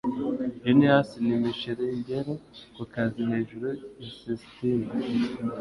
Genius ni Michelangelo kukazi hejuru ya Sistine